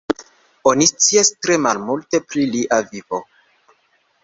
Oni scias tre malmulte pri lia vivo.